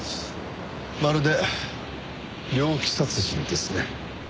まるで猟奇殺人ですね。